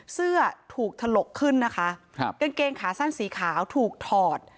เสื้อถูกถลกขึ้นนะคะครับกางเกงขาสั้นสีขาวถูกถอด